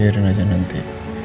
yaudah aja nanti